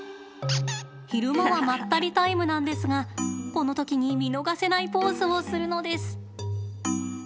昼間はまったりタイムなんですがこの時に見逃せないポーズをするのです。